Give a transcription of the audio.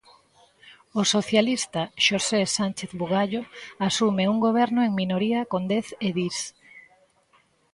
O socialista Xosé Sánchez Bugallo asume un goberno en minoría con dez edís.